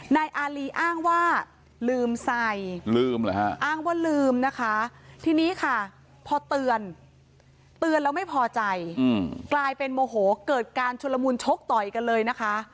นายอารีอ้างว่าลืมใส่ลืมเหรอฮะอ้างว่าลืมนะคะทีนี้ค่ะพอเตือนเตือนแล้วไม่พอใจกลายเป็นโมโหเกิดการชุลมุนชกต่อยกันเลยนะคะ